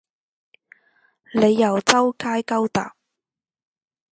你又周街勾搭